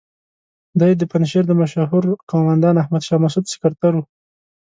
دی د پنجشیر د مشهور قوماندان احمد شاه مسعود سکرتر وو.